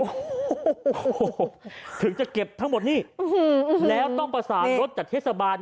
โอ้โหถึงจะเก็บทั้งหมดนี่แล้วต้องประสานรถจากเทศบาล